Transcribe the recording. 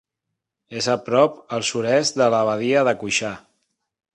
És a prop al sud-est de l'abadia de Cuixà.